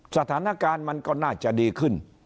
สถานการณ์มันก็น่าจะดีขึ้น